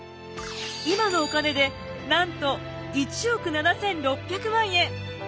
今のお金でなんと１億７，６００万円！